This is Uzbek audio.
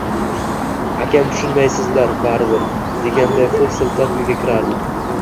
Akam tushunmaysizlar, baribir, deganday qo`l siltab uyga kirardi